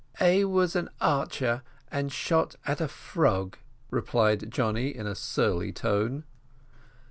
"A was an archer, and shot at a frog," replied Johnny, in a surly tone.